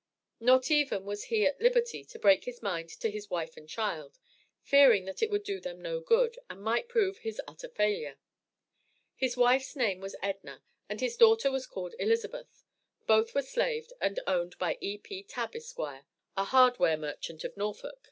Not even was he at liberty to break his mind to his wife and child, fearing that it would do them no good, and might prove his utter failure. His wife's name was Edna and his daughter was called Elizabeth; both were slaves and owned by E.P. Tabb, Esq., a hardware merchant of Norfolk.